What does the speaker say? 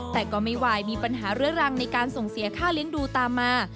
แต่ก็ไม่ไหวมีปัญหาเรื้อรังในการส่งเสียค่าเลี้ยงดูตามมา